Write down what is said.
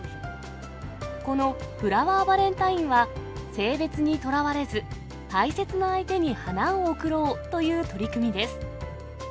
このフラワーバレンタインは、性別にとらわれず、大切な相手に花を贈ろうという取り組みです。